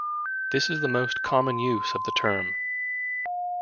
This is the most common use of the term.